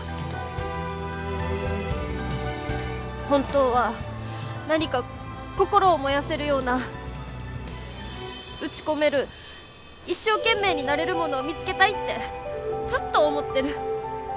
本当は何か心を燃やせるような打ち込める一生懸命になれるものを見つけたいってずっと思ってる。